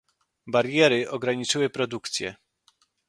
Bariery ograniczyły produkcję